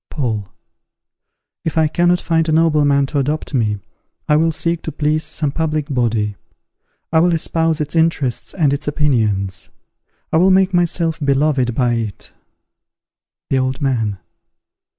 Paul. If I cannot find a nobleman to adopt me, I will seek to please some public body. I will espouse its interests and its opinions: I will make myself beloved by it. _The Old Man.